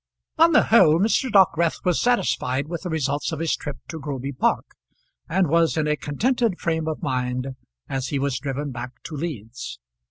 On the whole Mr. Dockwrath was satisfied with the results of his trip to Groby Park, and was in a contented frame of mind as he was driven back to Leeds.